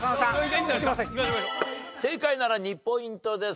正解なら２ポイントです。